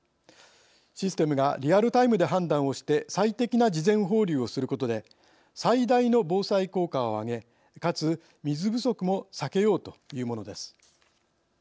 システムがリアルタイムで判断をして最適な事前放流をすることで最大の防災効果をあげかつ水不足も避けようというものです。